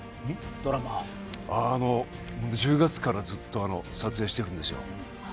１０月からずっと撮影しているんですよ。